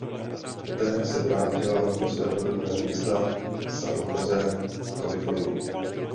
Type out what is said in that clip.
Po té se vrátila do svého rodného města San Jose v Kalifornii.